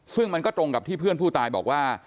ซึ่งมันก็ตรงกับที่เพื่อนผู้ตายบอกว่า